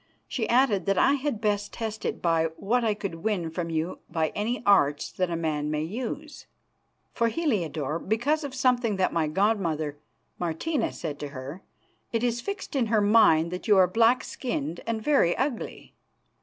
She added that I had best test it by what I could win from you by any arts that a man may use. For, Heliodore, because of something that my god mother, Martina, said to her, it is fixed in her mind that you are black skinned and very ugly.